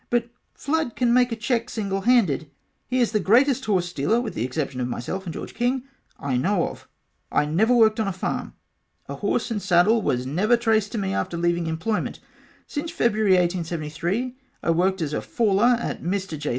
But Flood can make a cheque single handed he is the greatest horsestealer with the exception of myself and George King I know of. I never worked on a farm a horse and saddle was never traced to me after leaving employment since February 1873 I worked as a faller at Mr J.